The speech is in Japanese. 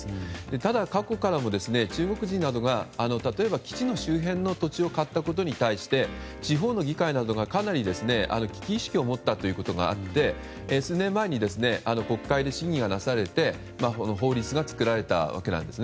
ただ過去からも中国人などが例えば、基地の周辺の土地を買ったことに対して地方の議会などがかなり危機意識を持ったということがあって数年前に国会で審議がかけられて法律が作られたということですね。